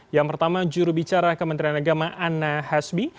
yang pertama juru bicara kementerian agama anna hasbi